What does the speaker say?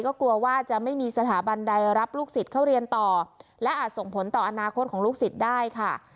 ก็กลัวว่าจะไม่มีสถาบันใดรับลูกศิษย์เข้าเรียนต่อและอาจส่งผลต่ออนาคตของลูกศิษย์ได้ค่ะ